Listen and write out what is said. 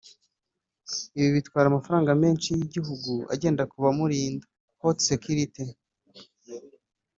Ibi bitwara amafaranga menshi y’igihugu agenda kuba murinda [Haute Sécurité